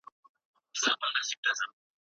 پوهنتون شاګرد ته د استاد د انتخاب حق ورکوي.